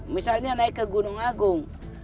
misalnya naik ke gunung agung